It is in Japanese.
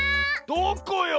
どこよ⁉